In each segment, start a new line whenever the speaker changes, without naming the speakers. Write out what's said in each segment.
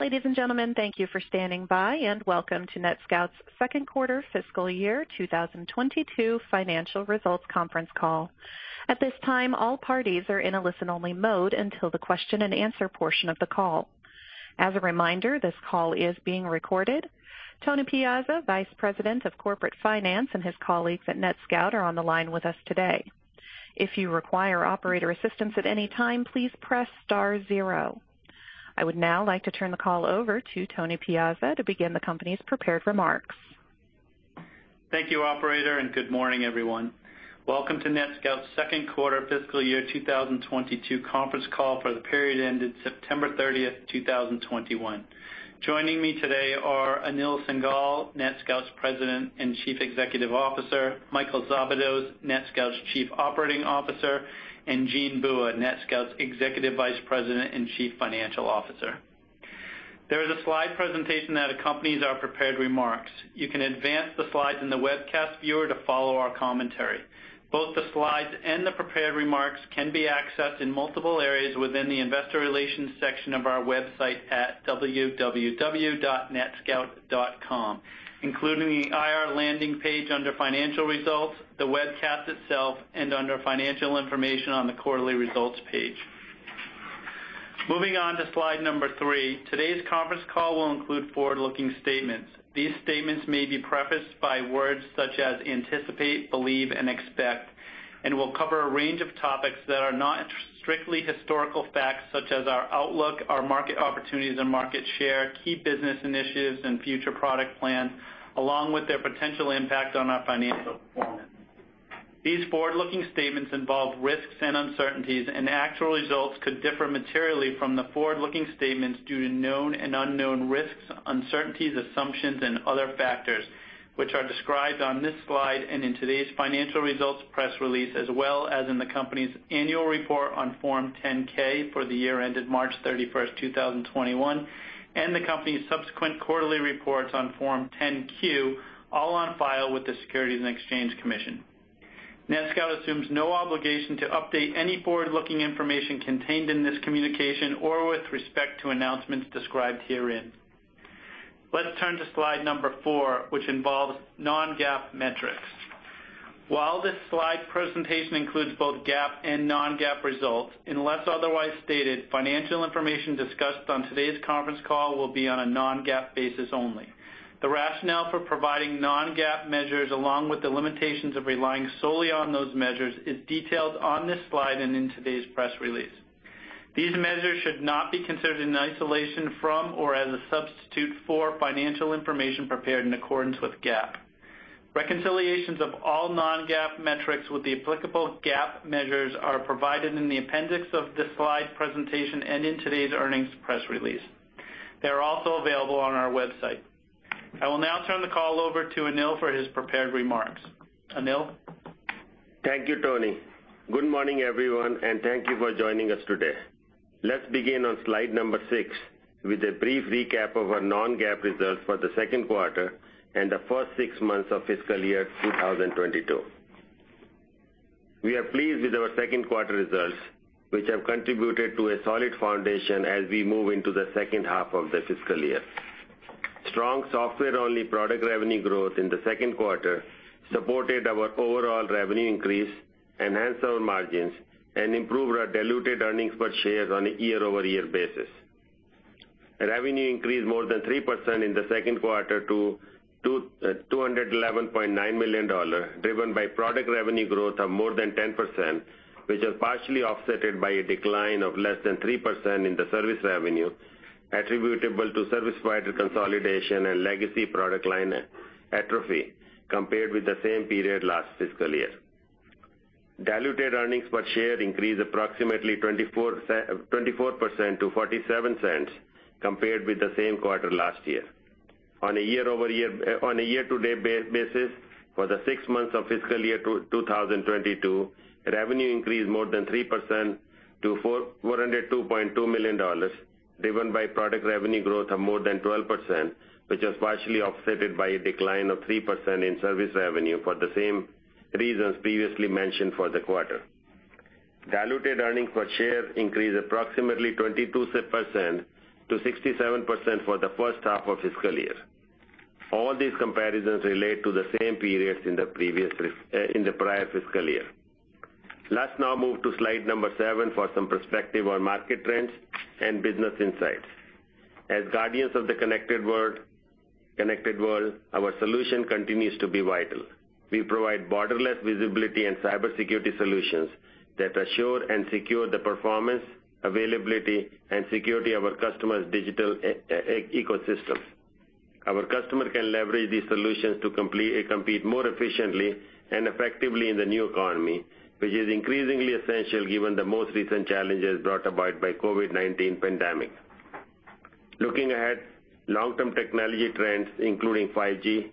Ladies and gentlemen, thank you for standing by, and welcome to NetScout's second quarter fiscal year 2022 financial results conference call. At this time, all parties are in a listen-only mode until the question and answer portion of the call. As a reminder, this call is being recorded. Tony Piazza, Vice President of Corporate Finance, and his colleagues at NetScout are on the line with us today. If you require operator assistance at any time, please press star zero. I would now like to turn the call over to Tony Piazza to begin the company's prepared remarks.
Thank you, operator, and good morning, everyone. Welcome to NetScout's second quarter fiscal year 2022 conference call for the period ended September 30, 2021. Joining me today are Anil Singhal, NetScout's President and Chief Executive Officer, Michael Szabados, NetScout's Chief Operating Officer, and Jean Bua, NetScout's Executive Vice President and Chief Financial Officer. There is a slide presentation that accompanies our prepared remarks. You can advance the slides in the webcast viewer to follow our commentary. Both the slides and the prepared remarks can be accessed in multiple areas within the investor relations section of our website at www.netscout.com, including the IR landing page under Financial Results, the webcast itself, and under Financial Information on the quarterly results page. Moving on to slide number three, today's conference call will include forward-looking statements. These statements may be prefaced by words such as anticipate, believe, and expect, and will cover a range of topics that are not strictly historical facts, such as our outlook, our market opportunities and market share, key business initiatives and future product plans, along with their potential impact on our financial performance. These forward-looking statements involve risks and uncertainties, and actual results could differ materially from the forward-looking statements due to known and unknown risks, uncertainties, assumptions, and other factors, which are described on this slide and in today's financial results press release, as well as in the company's annual report on Form 10-K for the year ended March 31, 2021, and the company's subsequent quarterly reports on Form 10-Q, all on file with the Securities and Exchange Commission. NetScout assumes no obligation to update any forward-looking information contained in this communication or with respect to announcements described herein. Let's turn to slide number four, which involves non-GAAP metrics. While this slide presentation includes both GAAP and non-GAAP results, unless otherwise stated, financial information discussed on today's conference call will be on a non-GAAP basis only. The rationale for providing non-GAAP measures, along with the limitations of relying solely on those measures, is detailed on this slide and in today's press release. These measures should not be considered in isolation from or as a substitute for financial information prepared in accordance with GAAP. Reconciliations of all non-GAAP metrics with the applicable GAAP measures are provided in the appendix of this slide presentation and in today's earnings press release. They are also available on our website. I will now turn the call over to Anil for his prepared remarks. Anil?
Thank you, Tony. Good morning, everyone, and thank you for joining us today. Let's begin on slide number six with a brief recap of our non-GAAP results for the second quarter and the first six months of fiscal year 2022. We are pleased with our second quarter results, which have contributed to a solid foundation as we move into the second half of the fiscal year. Strong software-only product revenue growth in the second quarter supported our overall revenue increase, enhanced our margins, and improved our diluted earnings per share on a year-over-year basis. Revenue increased more than 3% in the second quarter to $211.9 million, driven by product revenue growth of more than 10%, which was partially offset by a decline of less than 3% in the service revenue attributable to service provider consolidation and legacy product line atrophy compared with the same period last fiscal year. Diluted earnings per share increased approximately 24% to $0.47 compared with the same quarter last year. On a year-to-date basis, for the six months of fiscal year 2022, revenue increased more than 3% to $402.2 million, driven by product revenue growth of more than 12%, which was partially offset by a decline of 3% in service revenue for the same reasons previously mentioned for the quarter. Diluted earnings per share increased approximately 22% to $0.67 for the first half of fiscal year. All these comparisons relate to the same periods in the prior fiscal year. Let's now move to slide number seven for some perspective on market trends and business insights. As guardians of the connected world, our solution continues to be vital. We provide borderless visibility and cybersecurity solutions that assure and secure the performance, availability, and security of our customers' digital ecosystem. Our customer can leverage these solutions to compete more efficiently and effectively in the new economy, which is increasingly essential given the most recent challenges brought about by COVID-19 pandemic. Looking ahead, long-term technology trends, including 5G,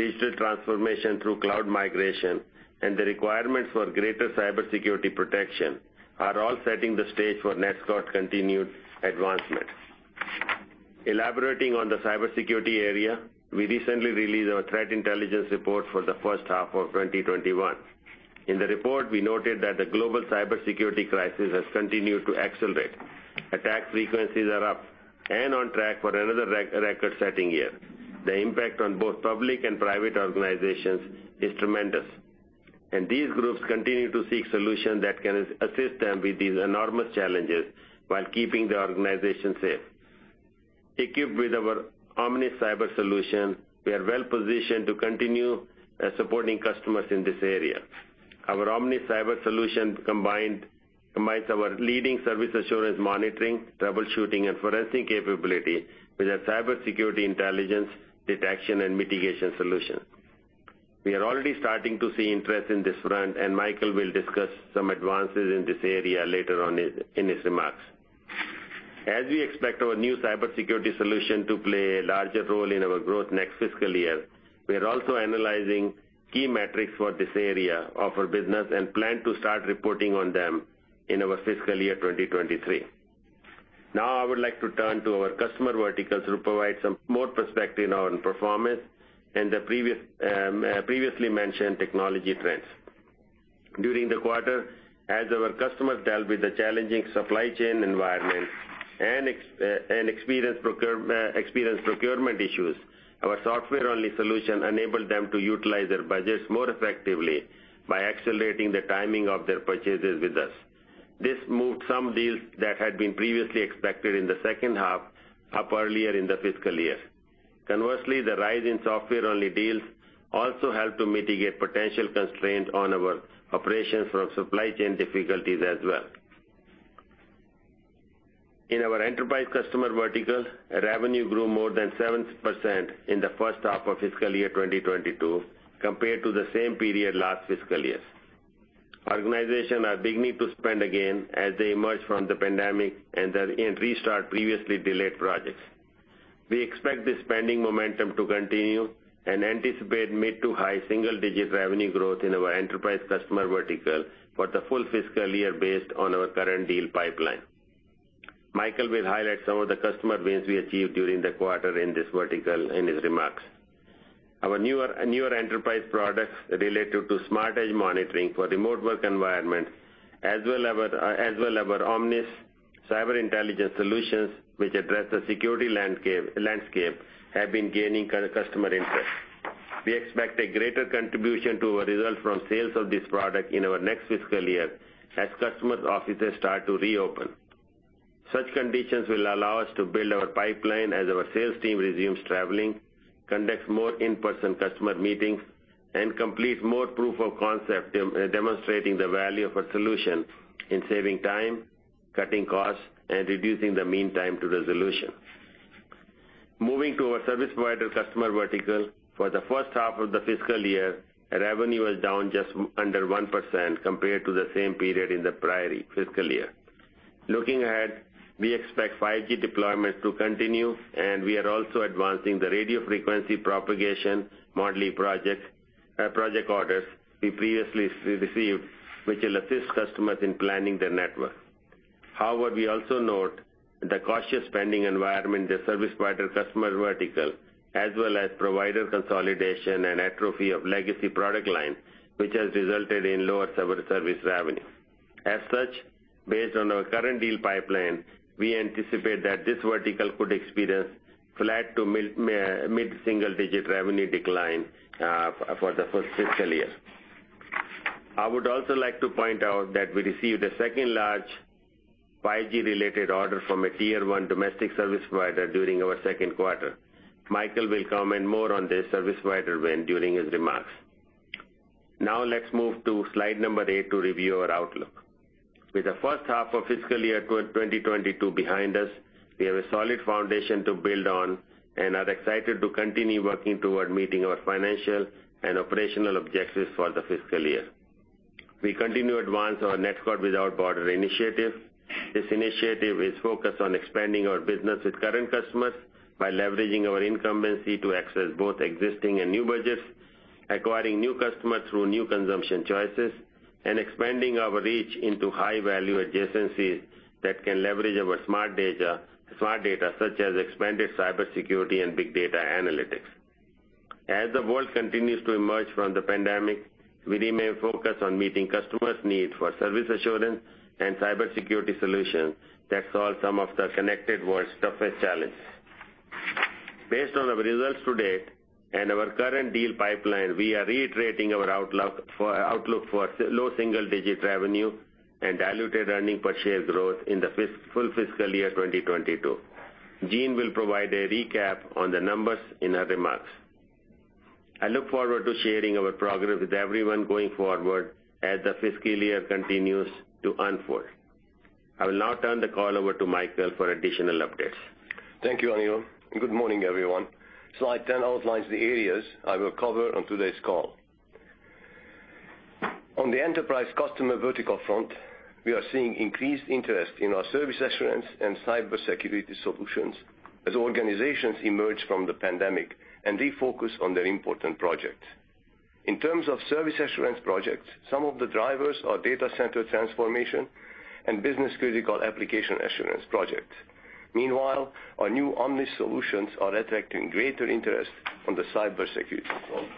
digital transformation through cloud migration, and the requirements for greater cybersecurity protection are all setting the stage for NetScout's continued advancement. Elaborating on the cybersecurity area, we recently released our threat intelligence report for the first half of 2021. In the report, we noted that the global cybersecurity crisis has continued to accelerate. Attack frequencies are up and on track for another record-setting year. The impact on both public and private organizations is tremendous, and these groups continue to seek solutions that can assist them with these enormous challenges while keeping the organization safe. Equipped with our Omnis Cyber Intelligence, we are well positioned to continue supporting customers in this area. Our Omnis Cyber Intelligence combines our leading service assurance monitoring, troubleshooting, and forensic capability with our cybersecurity intelligence detection and mitigation solution. We are already starting to see interest in this front, and Michael will discuss some advances in this area later on in his remarks. As we expect our new cybersecurity solution to play a larger role in our growth next fiscal year, we are also analyzing key metrics for this area of our business and plan to start reporting on them in our fiscal year 2023. Now I would like to turn to our customer verticals to provide some more perspective on performance and the previously mentioned technology trends. During the quarter, as our customers dealt with the challenging supply chain environment and experienced procurement issues, our software-only solution enabled them to utilize their budgets more effectively by accelerating the timing of their purchases with us. This moved some deals that had been previously expected in the second half up earlier in the fiscal year. Conversely, the rise in software-only deals also helped to mitigate potential constraints on our operations from supply chain difficulties as well. In our enterprise customer vertical, revenue grew more than 7% in the first half of fiscal year 2022 compared to the same period last fiscal year. Organizations are beginning to spend again as they emerge from the pandemic and restart previously delayed projects. We expect this spending momentum to continue and anticipate mid-to-high single-digit revenue growth in our enterprise customer vertical for the full fiscal year based on our current deal pipeline. Michael will highlight some of the customer wins we achieved during the quarter in this vertical in his remarks. Our newer enterprise products related to Smart Edge Monitoring for remote work environments, as well our Omnis cyber intelligence solutions which address the security landscape, have been gaining customer interest. We expect a greater contribution to our results from sales of this product in our next fiscal year as customers' offices start to reopen. Such conditions will allow us to build our pipeline as our sales team resumes traveling, conducts more in-person customer meetings, and completes more proof of concept demonstrating the value of our solution in saving time, cutting costs, and reducing the meantime to resolution. Moving to our service provider customer vertical, for the first half of the fiscal year, revenue was down just under 1% compared to the same period in the prior fiscal year. Looking ahead, we expect 5G deployments to continue, and we are also advancing the radio frequency propagation modeling project orders we previously received, which will assist customers in planning their network. However, we also note the cautious spending environment in the service provider customer vertical as well as provider consolidation and atrophy of legacy product lines, which has resulted in lower service revenue. As such, based on our current deal pipeline, we anticipate that this vertical could experience flat to mid-single digit revenue decline for the full fiscal year. I would also like to point out that we received the second-largest 5G-related order from a tier one domestic service provider during our second quarter. Michael will comment more on this service provider win during his remarks. Now let's move to slide number eight to review our outlook. With the first half of fiscal year 2022 behind us, we have a solid foundation to build on and are excited to continue working toward meeting our financial and operational objectives for the fiscal year. We continue to advance our Visibility Without Borders initiative. This initiative is focused on expanding our business with current customers by leveraging our incumbency to access both existing and new budgets, acquiring new customers through new consumption choices, and expanding our reach into high-value adjacencies that can leverage our smart data such as expanded cybersecurity and big data analytics. As the world continues to emerge from the pandemic, we remain focused on meeting customers' need for service assurance and cybersecurity solutions that solve some of the connected world's toughest challenges. Based on our results to date and our current deal pipeline, we are reiterating our outlook for low single-digit revenue and diluted earnings per share growth in the full fiscal year 2022. Jean will provide a recap on the numbers in his remarks. I look forward to sharing our progress with everyone going forward as the fiscal year continues to unfold. I will now turn the call over to Michael for additional updates.
Thank you, Anil, and good morning, everyone. Slide 10 outlines the areas I will cover on today's call. On the enterprise customer vertical front, we are seeing increased interest in our service assurance and cybersecurity solutions as organizations emerge from the pandemic and refocus on their important projects. In terms of service assurance projects, some of the drivers are data center transformation and business-critical application assurance project. Meanwhile, our new Omnis solutions are attracting greater interest on the cybersecurity front.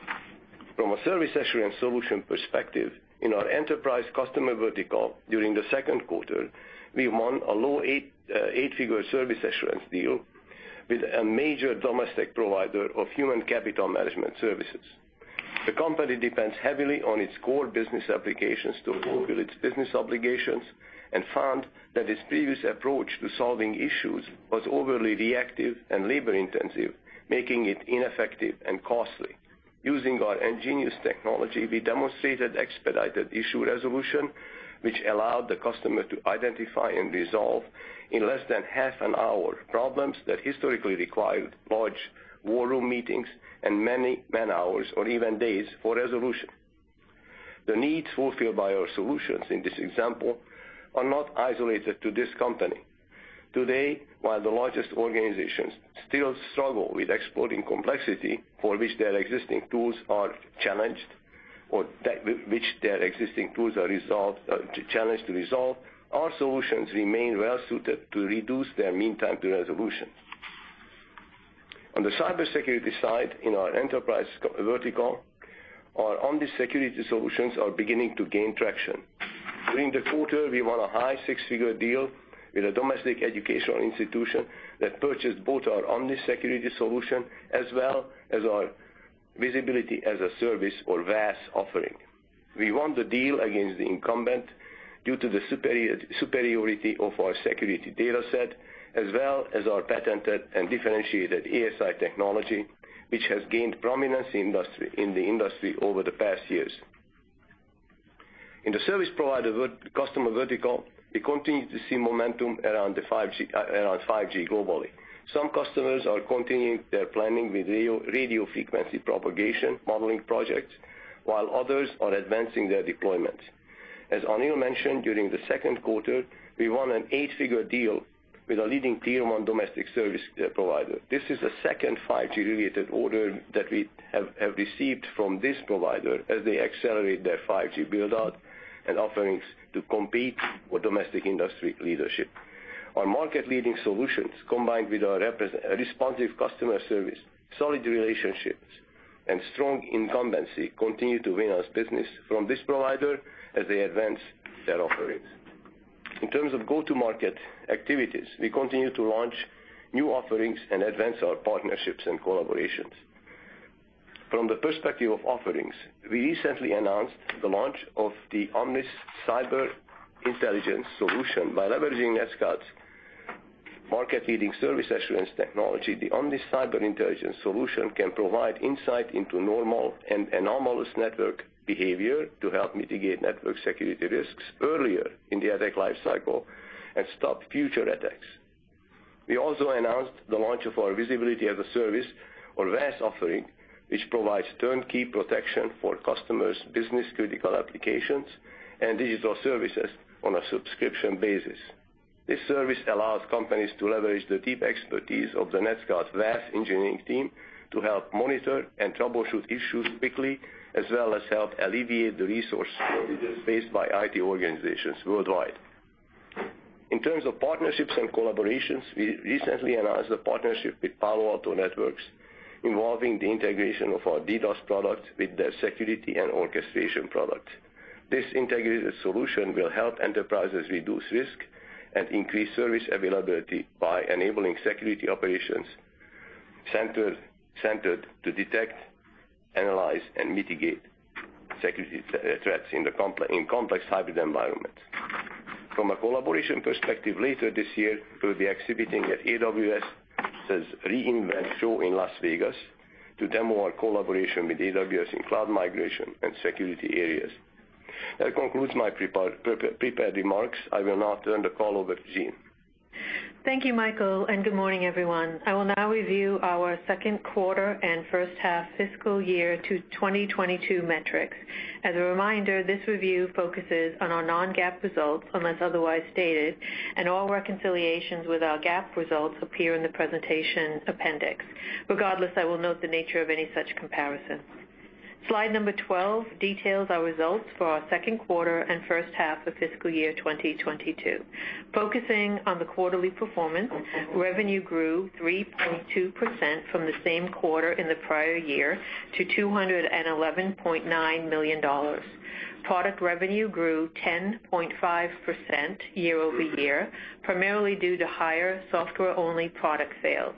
From a service assurance solution perspective, in our enterprise customer vertical during the second quarter, we won a low eight-figure service assurance deal with a major domestic provider of human capital management services. The company depends heavily on its core business applications to fulfill its business obligations and found that its previous approach to solving issues was overly reactive and labor-intensive, making it ineffective and costly. Using our nGenius technology, we demonstrated expedited issue resolution, which allowed the customer to identify and resolve in less than half an hour problems that historically required large war room meetings and many man-hours or even days for resolution. The needs fulfilled by our solutions in this example are not isolated to this company. Today, while the largest organizations still struggle with exploding complexity for which their existing tools are challenged to resolve, our solutions remain well suited to reduce their meantime to resolution. On the cybersecurity side, in our enterprise vertical, our Omnis security solutions are beginning to gain traction. During the quarter, we won a high six-figure deal with a domestic educational institution that purchased both our Omnis security solution as well as our Visibility as a Service or VaaS offering. We won the deal against the incumbent due to the superiority of our security data set, as well as our patented and differentiated ASI technology, which has gained prominence in the industry over the past years. In the service provider and customer vertical, we continue to see momentum around 5G globally. Some customers are continuing their planning with radio frequency propagation modeling projects, while others are advancing their deployments. As Anil mentioned, during the second quarter, we won an eight-figure deal with a leading tier one domestic service provider. This is the second 5G-related order that we have received from this provider as they accelerate their 5G build-out and offerings to compete with domestic industry leadership. Our market-leading solutions, combined with our responsive customer service, solid relationships, and strong incumbency, continue to win us business from this provider as they advance their offerings. In terms of go-to-market activities, we continue to launch new offerings and advance our partnerships and collaborations. From the perspective of offerings, we recently announced the launch of the Omnis Cyber Intelligence solution. By leveraging NetScout's market-leading service assurance technology, the Omnis Cyber Intelligence solution can provide insight into normal and anomalous network behavior to help mitigate network security risks earlier in the attack life cycle and stop future attacks. We also announced the launch of our Visibility as a Service or VaaS offering, which provides turnkey protection for customers' business-critical applications and digital services on a subscription basis. This service allows companies to leverage the deep expertise of the NetScout VaaS engineering team to help monitor and troubleshoot issues quickly, as well as help alleviate the resource shortages faced by IT organizations worldwide. In terms of partnerships and collaborations, we recently announced a partnership with Palo Alto Networks involving the integration of our DDoS product with their security and orchestration product. This integrated solution will help enterprises reduce risk and increase service availability by enabling security operations center to detect, analyze, and mitigate security threats in complex hybrid environments. From a collaboration perspective, later this year, we'll be exhibiting at AWS's re:Invent show in Las Vegas to demo our collaboration with AWS in cloud migration and security areas. That concludes my prepared remarks. I will now turn the call over to Jean.
Thank you, Michael, and good morning, everyone. I will now review our second quarter and first half fiscal year 2022 metrics. As a reminder, this review focuses on our non-GAAP results unless otherwise stated, and all reconciliations with our GAAP results appear in the presentation appendix. Regardless, I will note the nature of any such comparison. Slide 12 details our results for our second quarter and first half of fiscal year 2022. Focusing on the quarterly performance, revenue grew 3.2% from the same quarter in the prior year to $211.9 million. Product revenue grew 10.5% year-over-year, primarily due to higher software-only product sales.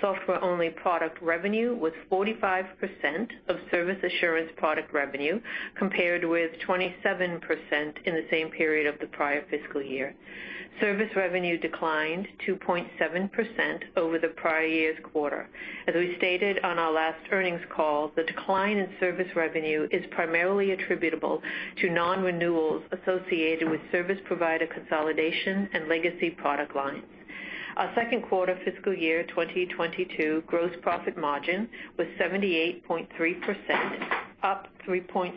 Software-only product revenue was 45% of service assurance product revenue, compared with 27% in the same period of the prior fiscal year. Service revenue declined 2.7% over the prior year's quarter. As we stated on our last earnings call, the decline in service revenue is primarily attributable to non-renewals associated with service provider consolidation and legacy product lines. Our second quarter fiscal year 2022 gross profit margin was 78.3%, up 3.6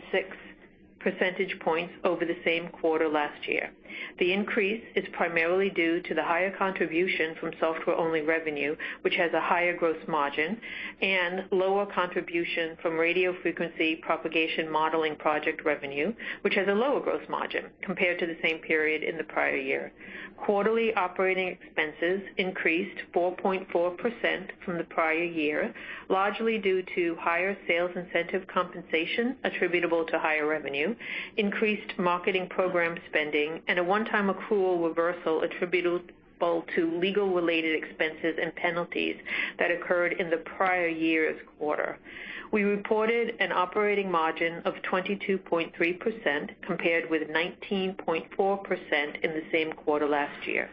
percentage points over the same quarter last year. The increase is primarily due to the higher contribution from software-only revenue, which has a higher gross margin and lower contribution from radio frequency propagation modeling project revenue, which has a lower gross margin compared to the same period in the prior year. Quarterly operating expenses increased 4.4% from the prior year, largely due to higher sales incentive compensation attributable to higher revenue, increased marketing program spending, and a onetime accrual reversal attributable to legal-related expenses and penalties that occurred in the prior year's quarter. We reported an operating margin of 22.3% compared with 19.4% in the same quarter last year.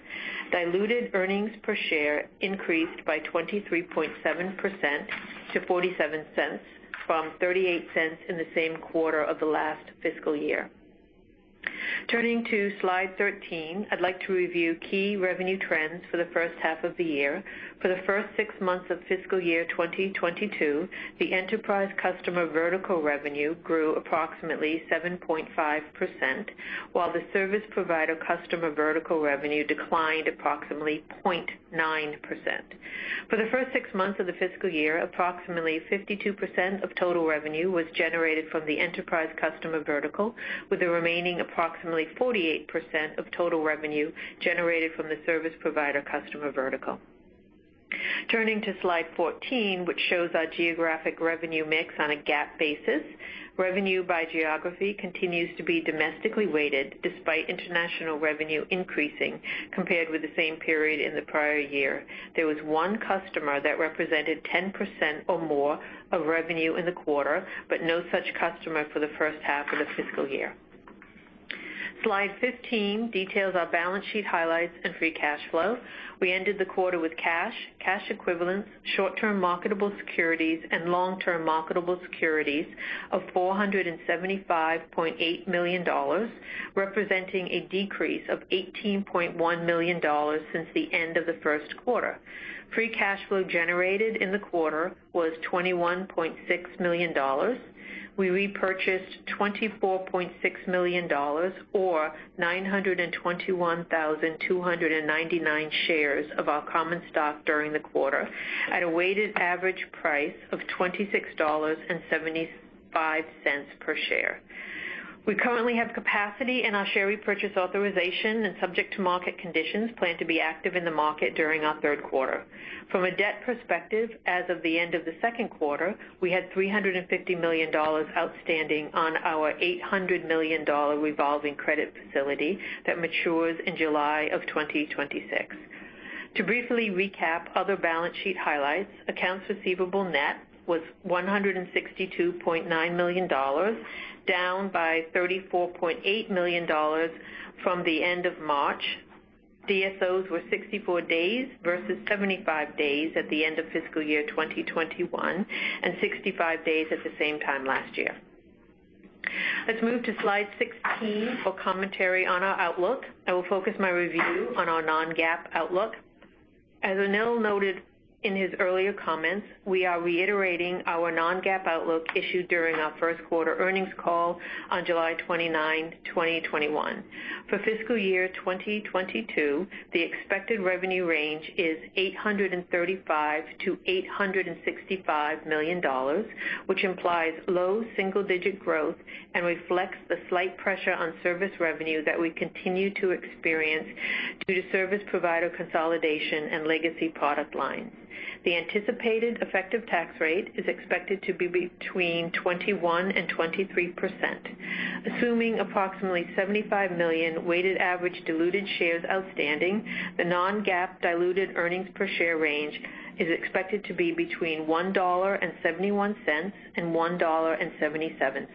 Diluted earnings per share increased by 23.7% to $0.47 from $0.38 in the same quarter of the last fiscal year. Turning to Slide 13, I'd like to review key revenue trends for the first half of the year. For the first six months of fiscal year 2022, the enterprise customer vertical revenue grew approximately 7.5%, while the service provider customer vertical revenue declined approximately 0.9%. For the first six months of the fiscal year, approximately 52% of total revenue was generated from the enterprise customer vertical, with the remaining approximately 48% of total revenue generated from the service provider customer vertical. Turning to Slide 14, which shows our geographic revenue mix on a GAAP basis. Revenue by geography continues to be domestically weighted despite international revenue increasing compared with the same period in the prior year. There was one customer that represented 10% or more of revenue in the quarter, but no such customer for the first half of the fiscal year. Slide 15 details our balance sheet highlights and free cash flow. We ended the quarter with cash equivalents, short-term marketable securities, and long-term marketable securities of $475.8 million, representing a decrease of $18.1 million since the end of the first quarter. Free cash flow generated in the quarter was $21.6 million. We repurchased $24.6 million or 921,299 shares of our common stock during the quarter at a weighted average price of $26.75 per share. We currently have capacity in our share repurchase authorization and, subject to market conditions, plan to be active in the market during our third quarter. From a debt perspective, as of the end of the second quarter, we had $350 million outstanding on our $800 million revolving credit facility that matures in July of 2026. To briefly recap other balance sheet highlights, accounts receivable net was $162.9 million, down by $34.8 million from the end of March. DSOs were 64 days versus 75 days at the end of fiscal year 2021 and 65 days at the same time last year. Let's move to Slide 16 for commentary on our outlook. I will focus my review on our non-GAAP outlook. As Anil noted in his earlier comments, we are reiterating our non-GAAP outlook issued during our first quarter earnings call on July 29, 2021. For fiscal year 2022, the expected revenue range is $835 million-$865 million, which implies low single-digit growth and reflects the slight pressure on service revenue that we continue to experience due to service provider consolidation and legacy product lines. The anticipated effective tax rate is expected to be between 21% and 23%. Assuming approximately 75 million weighted average diluted shares outstanding, the non-GAAP diluted earnings per share range is expected to be between $1.71 and $1.77.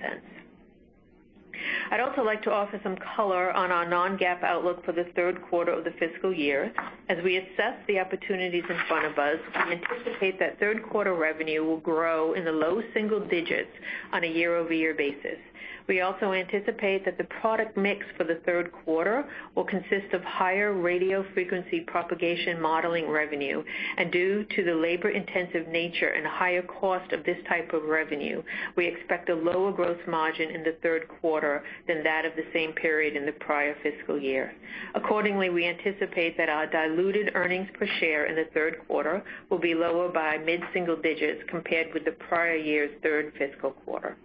I'd also like to offer some color on our non-GAAP outlook for the third quarter of the fiscal year. As we assess the opportunities in front of us, we anticipate that third quarter revenue will grow in the low single digits on a year-over-year basis. We also anticipate that the product mix for the third quarter will consist of higher radio frequency propagation modeling revenue. Due to the labor-intensive nature and higher cost of this type of revenue, we expect a lower gross margin in the third quarter than that of the same period in the prior fiscal year. Accordingly, we anticipate that our diluted earnings per share in the third quarter will be lower by mid-single digits compared with the prior year's third fiscal quarter.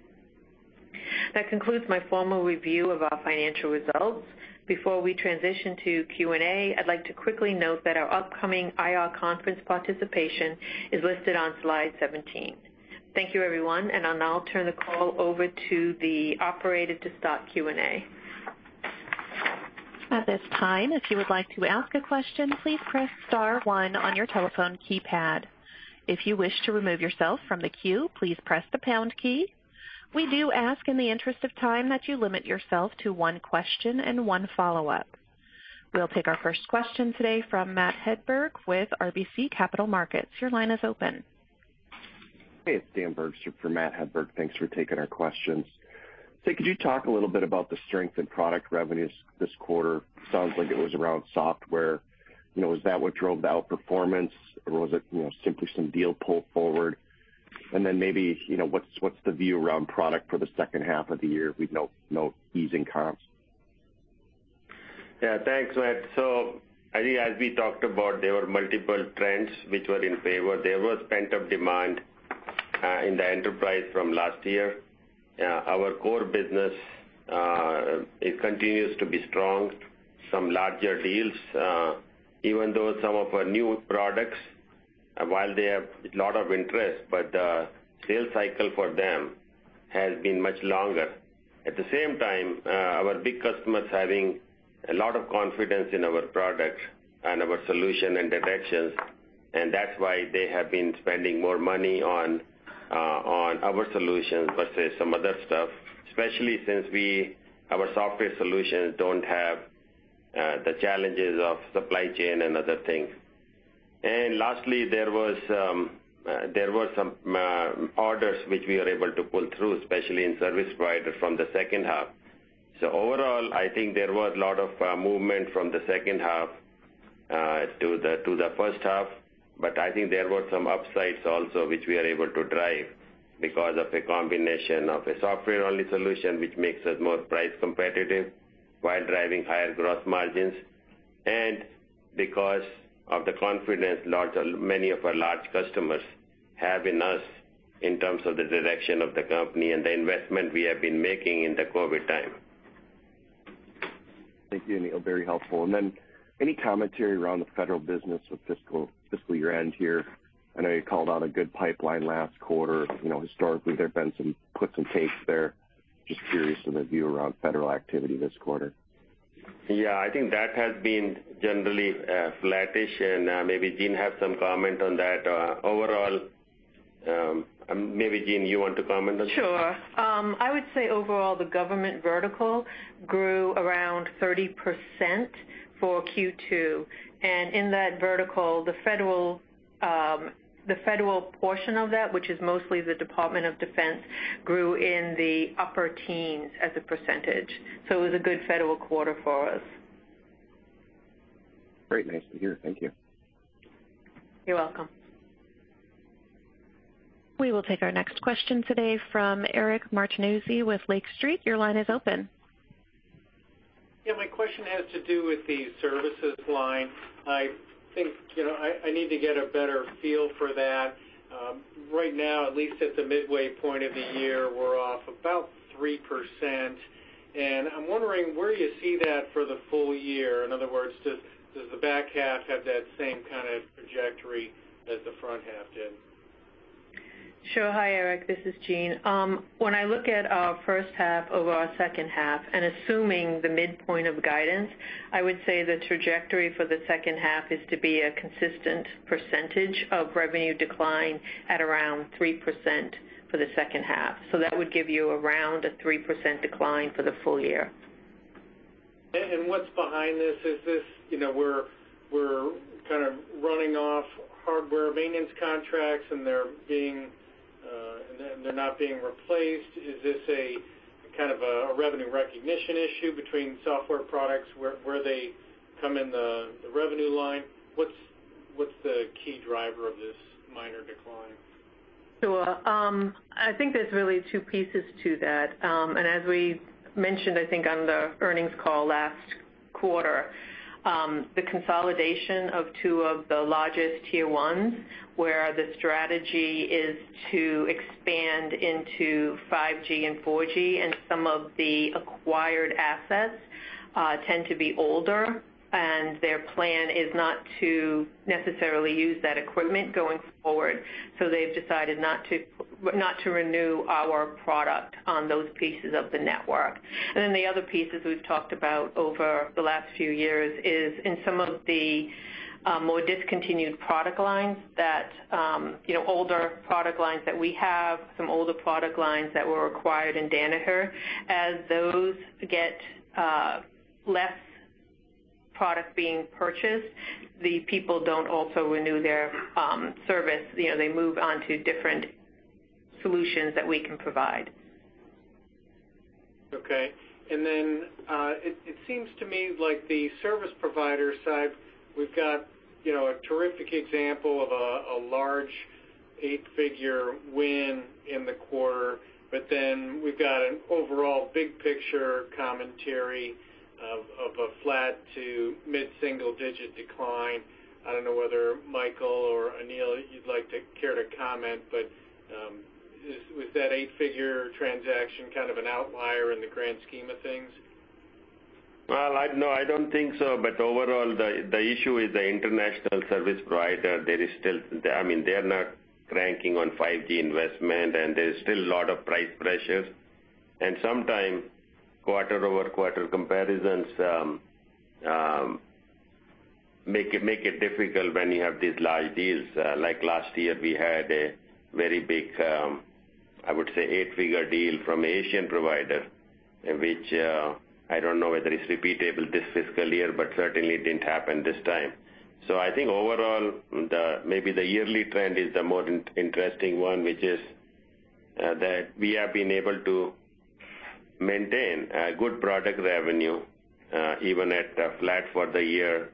That concludes my formal review of our financial results. Before we transition to Q&A, I'd like to quickly note that our upcoming IR conference participation is listed on Slide 17. Thank you, everyone, and I'll now turn the call over to the operator to start Q&A.
At this time, if you would like to ask a question, please press star one on your telephone keypad. If you wish to remove yourself from the queue, please press the pound key. We do ask, in the interest of time, that you limit yourself to one question and one follow-up. We'll take our first question today from Matt Hedberg with RBC Capital Markets. Your line is open.
Hey, it's Dan Bergstrom for Matt Hedberg. Thanks for taking our questions. Could you talk a little bit about the strength in product revenues this quarter? Sounds like it was around software. You know, is that what drove the outperformance, or was it, you know, simply some deal pull forward? Maybe, you know, what's the view around product for the second half of the year with no easing comps?
Yeah. Thanks, Dan. I think as we talked about, there were multiple trends which were in favor. There was pent-up demand in the enterprise from last year. Our core business it continues to be strong. Some larger deals even though some of our new products, while they have a lot of interest, but the sales cycle for them has been much longer. At the same time, our big customers having a lot of confidence in our products and our solution and directions, and that's why they have been spending more money on our solutions versus some other stuff, especially since our software solutions don't have the challenges of supply chain and other things. Lastly, there were some orders which we are able to pull through, especially in service provider from the second half. Overall, I think there was a lot of movement from the second half to the first half, but I think there were some upsides also which we are able to drive because of a combination of a software-only solution, which makes us more price competitive while driving higher gross margins because of the confidence many of our large customers have in us in terms of the direction of the company and the investment we have been making in the COVID time.
Thank you, Anil. Very helpful. Any commentary around the federal business of fiscal year-end here? I know you called out a good pipeline last quarter. You know, historically, there have been some puts and takes there. Just curious of the view around federal activity this quarter?
Yeah. I think that has been generally flattish, and maybe Jean have some comment on that. Overall, maybe Jean, you want to comment on that?
Sure. I would say overall, the government vertical grew around 30% for Q2. In that vertical, the federal portion of that, which is mostly the Department of Defense, grew in the upper teens%. It was a good federal quarter for us.
Great. Nice to hear. Thank you.
You're welcome.
We will take our next question today from Eric Martinuzzi with Lake Street. Your line is open.
Yeah, my question has to do with the services line. I think, you know, I need to get a better feel for that. Right now, at least at the midway point of the year, we're off about 3%. I'm wondering where you see that for the full year. In other words, does the back half have that same kind of trajectory as the front half did?
Sure. Hi, Eric. This is Jean. When I look at our first half over our second half, and assuming the midpoint of guidance, I would say the trajectory for the second half is to be a consistent percentage of revenue decline at around 3% for the second half. That would give you around a 3% decline for the full year.
What's behind this? Is this, you know, we're kind of running off hardware maintenance contracts, and they're not being replaced. Is this a kind of revenue recognition issue between software products where they come in the revenue line? What's the key driver of this minor decline?
Sure. I think there's really two pieces to that. As we mentioned, I think on the earnings call last quarter, the consolidation of two of the largest tier ones where the strategy is to expand into 5G and 4G, and some of the acquired assets tend to be older, and their plan is not to necessarily use that equipment going forward. They've decided not to renew our product on those pieces of the network. The other pieces we've talked about over the last few years is in some of the more discontinued product lines that you know older product lines that were acquired in Danaher. As those get less product being purchased, the people don't also renew their service. You know, they move on to different solutions that we can provide.
Okay. Then it seems to me like the service provider side, we've got, you know, a terrific example of a large eight-figure win in the quarter, but then we've got an overall big picture commentary of a flat to mid-single-digit% decline. I don't know whether Michael or Anil you'd like to care to comment, but was that eight-figure transaction kind of an outlier in the grand scheme of things?
Well, no, I don't think so. Overall, the issue is the international service provider. There is still, I mean, they're not cranking on 5G investment, and there's still a lot of price pressures. Sometimes, quarter-over-quarter comparisons make it difficult when you have these large deals. Like last year, we had a very big, I would say, eight-figure deal from Asian provider, which I don't know whether it's repeatable this fiscal year, but certainly didn't happen this time. I think overall, maybe the yearly trend is the more interesting one, which is that we have been able to maintain a good product revenue, even at flat for the year.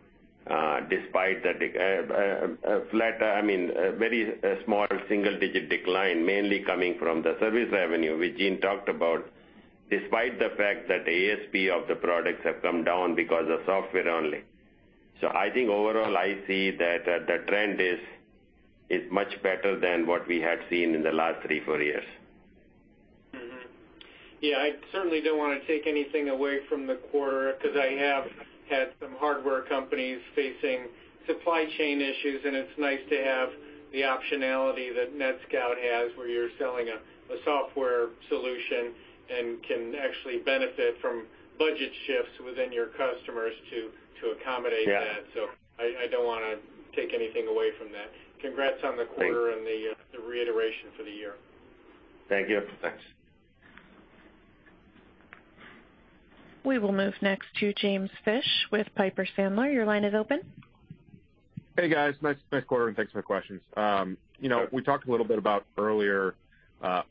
Despite a flat, I mean, a very small single-digit decline, mainly coming from the service revenue which Jean talked about, despite the fact that the ASP of the products have come down because of software only. I think overall, I see that the trend is much better than what we had seen in the last three, four years.
Yeah, I certainly don't wanna take anything away from the quarter because I have had some hardware companies facing supply chain issues, and it's nice to have the optionality that NetScout has where you're selling a software solution and can actually benefit from budget shifts within your customers to accommodate that.
Yeah.
I don't wanna take anything away from that. Congrats on the quarter-
Thanks.
the reiteration for the year.
Thank you. Thanks.
We will move next to James Fish with Piper Sandler. Your line is open.
Hey, guys. Nice quarter and thanks for my questions. You know-
Sure.
We talked a little bit about earlier,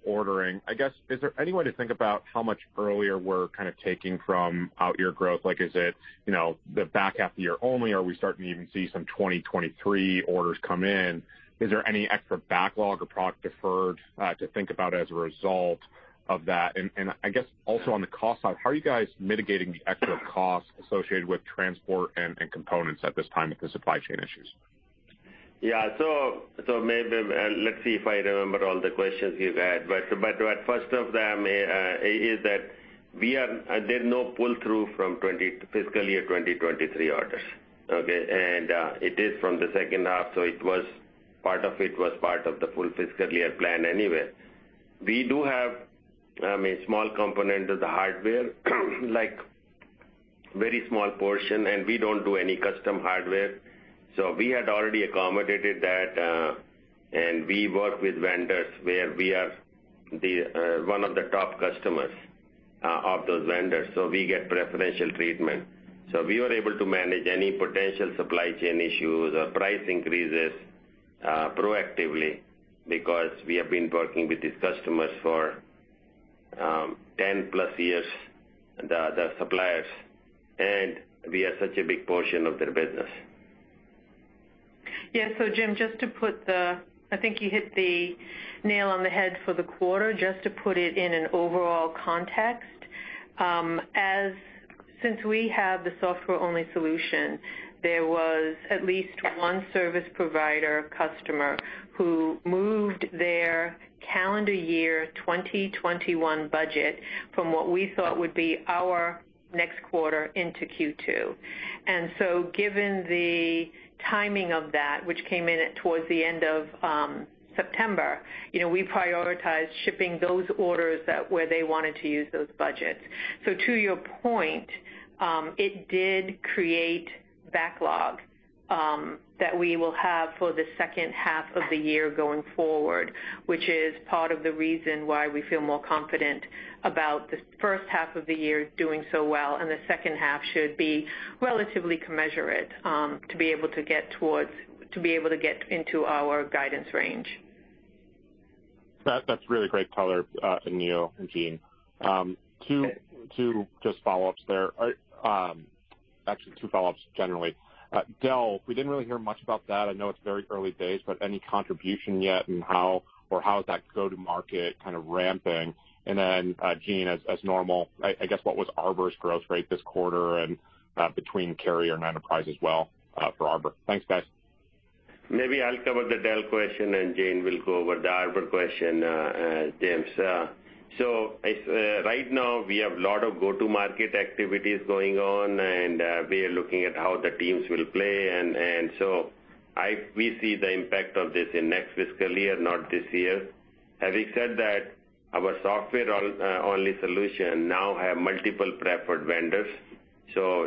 ordering. I guess, is there any way to think about how much earlier we're kind of taking from out year growth? Like, is it, you know, the back half of the year only, or are we starting to even see some 2023 orders come in? Is there any extra backlog or product deferred to think about as a result of that? And, I guess also on the cost side, how are you guys mitigating the extra costs associated with transport and components at this time with the supply chain issues?
Yeah. Maybe let's see if I remember all the questions you've had. The first of them is that there's no pull-through from fiscal year 2023 orders, okay? It is from the second half, so it was part of the full fiscal year plan anyway. We do have, I mean, small component of the hardware, like very small portion, and we don't do any custom hardware. We had already accommodated that, and we work with vendors where we are one of the top customers of those vendors, so we get preferential treatment. We are able to manage any potential supply chain issues or price increases proactively because we have been working with these customers for 10+ years, the suppliers, and we are such a big portion of their business.
Yeah. Jim, I think you hit the nail on the head for the quarter. Just to put it in an overall context, and since we have the software-only solution, there was at least one service provider customer who moved their calendar year 2021 budget from what we thought would be our next quarter into Q2. Given the timing of that, which came in towards the end of September, you know, we prioritized shipping those orders where they wanted to use those budgets. To your point, it did create backlog that we will have for the second half of the year going forward, which is part of the reason why we feel more confident about the first half of the year doing so well, and the second half should be relatively commensurate to be able to get into our guidance range.
That's really great color, Anil and Jean. Two just follow-ups there. Actually two follow-ups generally. Dell, we didn't really hear much about that. I know it's very early days, but any contribution yet and how is that go-to-market kind of ramping? Then, Jean, as normal, I guess what was Arbor's growth rate this quarter and, between carrier and enterprise as well, for Arbor? Thanks, guys.
Maybe I'll cover the Dell question and Jean will go over the Arbor question, James. It's right now we have a lot of go-to-market activities going on, and we are looking at how the teams will play and we see the impact of this in next fiscal year, not this year. As we said that our software-only solution now have multiple preferred vendors.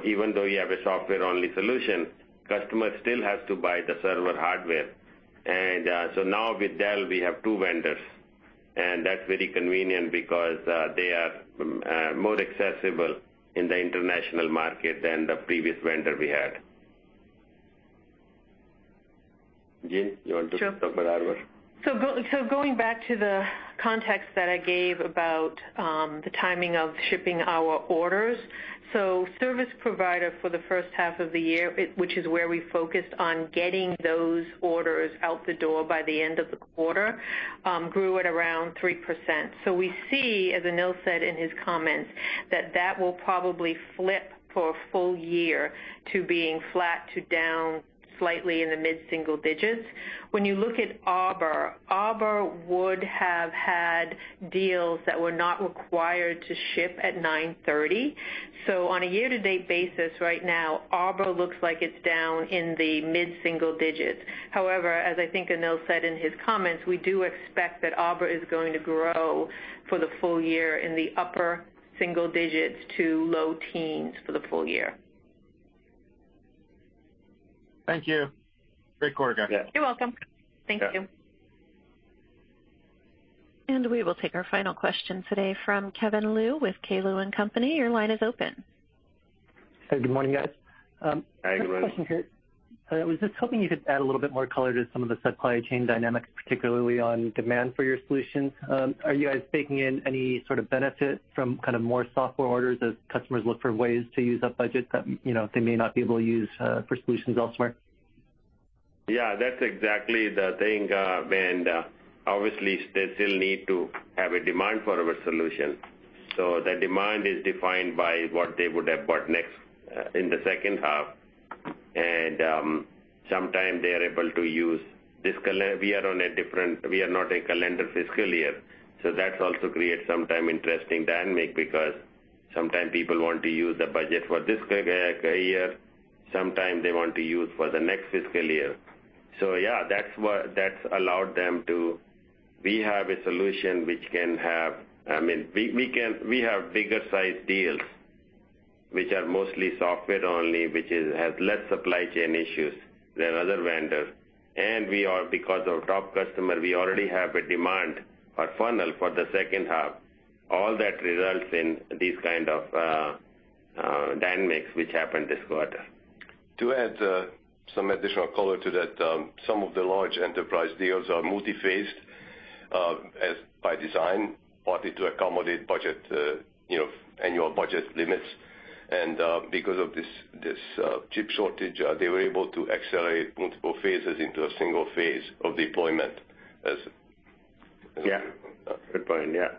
Even though you have a software-only solution, customers still have to buy the server hardware. Now with Dell, we have two vendors, and that's very convenient because they are more accessible in the international market than the previous vendor we had. Jean, you want to talk about Arbor?
Sure. Going back to the context that I gave about the timing of shipping our orders. Service provider for the first half of the year, which is where we focused on getting those orders out the door by the end of the quarter, grew at around 3%. We see, as Anil said in his comments, that that will probably flip for a full year to being flat to down slightly in the mid-single digits. When you look at Arbor would have had deals that were not required to ship at 9/30. On a year-to-date basis right now, Arbor looks like it's down in the mid-single digits. However, as I think Anil said in his comments, we do expect that Arbor is going to grow for the full year in the upper single digits to low teens for the full year.
Thank you. Great quarter, guys.
Yeah.
You're welcome. Thank you.
Yeah.
We will take our final question today from Kevin Liu with K. Liu & Company. Your line is open.
Hey, good morning, guys.
Hi, Kevin.
I was just hoping you could add a little bit more color to some of the supply chain dynamics, particularly on demand for your solutions. Are you guys taking in any sort of benefit from kind of more software orders as customers look for ways to use up budgets that, you know, they may not be able to use for solutions elsewhere?
Yeah, that's exactly the thing. Obviously they still need to have a demand for our solution. The demand is defined by what they would have bought next in the second half. Sometimes they are able to use this. We are not a calendar fiscal year, so that also creates sometimes interesting dynamics because sometimes people want to use the budget for this calendar year, sometimes they want to use for the next fiscal year. Yeah, that's what allowed them to. I mean, we have bigger sized deals which are mostly software only, which has less supply chain issues than other vendors. Because of top customer, we already have a demand or funnel for the second half. All that results in these kind of dynamics which happened this quarter.
To add some additional color to that, some of the large enterprise deals are multi-phased, as by design, partly to accommodate budget, you know, annual budget limits. Because of this chip shortage, they were able to accelerate multiple phases into a single phase of deployment as-
Yeah. Good point. Yeah.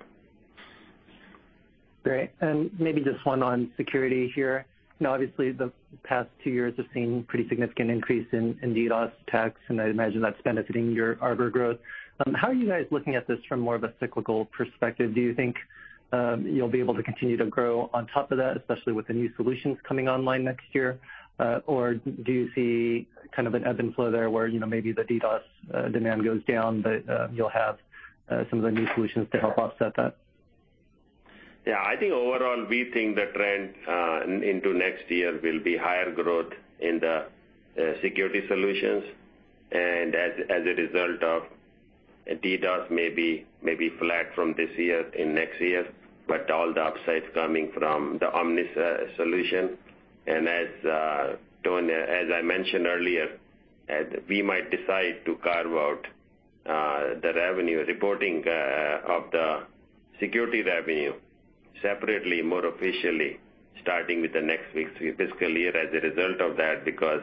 Great. Maybe just one on security here. You know, obviously, the past two years have seen pretty significant increase in DDoS attacks, and I imagine that's benefiting your Arbor growth. How are you guys looking at this from more of a cyclical perspective? Do you think you'll be able to continue to grow on top of that, especially with the new solutions coming online next year? Or do you see kind of an ebb and flow there where, you know, maybe the DDoS demand goes down, but you'll have some of the new solutions to help offset that?
Yeah. I think overall we think the trend into next year will be higher growth in the security solutions. As a result, DDoS may be flat from this year in next year, but all the upsides coming from the Omnis solution. As I mentioned earlier, we might decide to carve out the revenue reporting of the security revenue separately, more officially starting with the next fiscal year as a result of that, because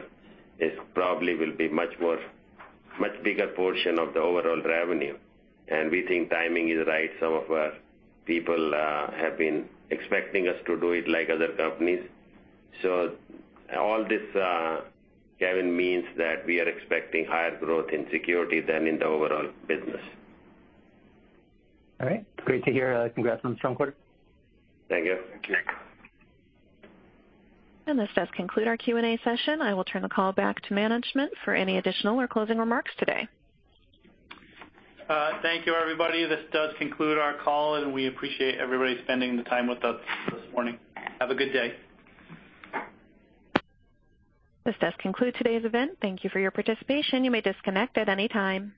it probably will be much bigger portion of the overall revenue. We think timing is right. Some of our people have been expecting us to do it like other companies. All this, Kevin, means that we are expecting higher growth in security than in the overall business.
All right. Great to hear. Congrats on a strong quarter.
Thank you.
Thank you.
This does conclude our Q&A session. I will turn the call back to management for any additional or closing remarks today.
Thank you, everybody. This does conclude our call, and we appreciate everybody spending the time with us this morning. Have a good day.
This does conclude today's event. Thank you for your participation. You may disconnect at any time.